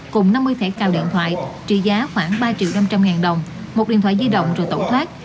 cùng năm mươi thẻ cào điện thoại trị giá khoảng ba triệu năm trăm linh ngàn đồng một điện thoại di động rồi tẩu thoát